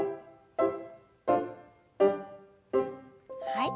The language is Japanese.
はい。